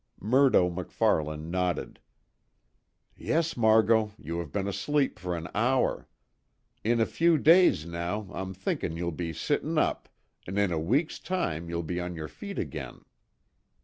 Murdo MacFarlane nodded: "Yes, Margot, you have been asleep for an hour. In a few days, now, I'm thinkin' you'll be sittin' up, an' in a week's time you'll be on your feet again."